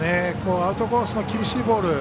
アウトコースの厳しいボール